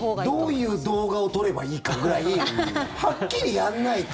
どういう動画を撮ればいいかぐらいはっきりやんないと。